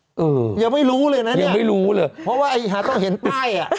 เออยังไม่รู้เลยนะยังไม่รู้เลยเพราะว่าไอ้หาต้องเห็นป้ายอ่ะ